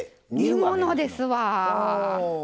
煮物ですわ。